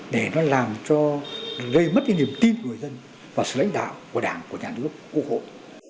để nó làm cho gây mất cái niềm tin của người dân và sự lãnh đạo của đảng của nhà nước quốc hội